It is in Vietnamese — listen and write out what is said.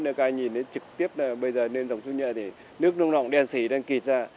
các anh nhìn nó trực tiếp bây giờ lên dòng súng nhệ thì nước nóng nọng đen xỉ đen kịt ra